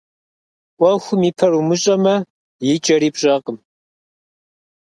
Ӏуэхум и пэр умыщӀэмэ, и кӀэри пщӀэркъым.